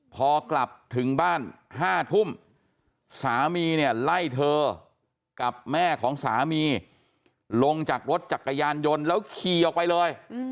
พอกลับถึงบ้าน๕ทุ่มสามีเนี่ยไล่เธอกับแม่ของสามีลงจากรถจักรยานยนต์แล้วขี่ออกไปเลย